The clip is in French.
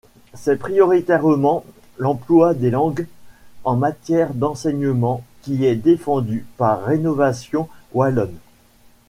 C’est prioritairement l’emploi des langues en matière d’enseignement qui est défendu par Rénovation wallonne.